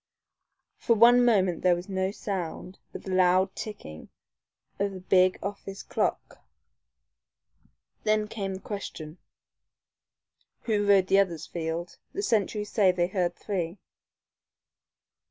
For one moment there was no sound but the loud ticking of the big office clock. Then came the question. "Who rode the others, Field? The sentries say they heard three."